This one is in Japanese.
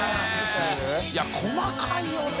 い細かいよね。